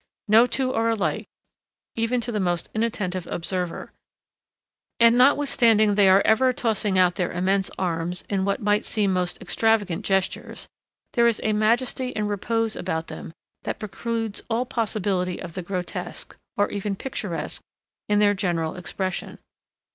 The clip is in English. No two are alike, even to the most inattentive observer; and, notwithstanding they are ever tossing out their immense arms in what might seem most extravagant gestures, there is a majesty and repose about them that precludes all possibility of the grotesque, or even picturesque, in their general expression.